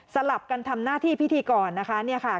ลับกันทำหน้าที่พิธีกรนะคะ